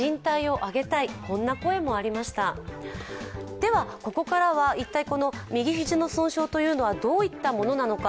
では、ここからは一体右肘の損傷というのはどのようなものなのか。